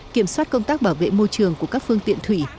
kiểm soát công tác bảo vệ môi trường của các phương tiện thủy